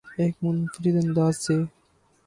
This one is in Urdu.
ایک منفرد انداز سے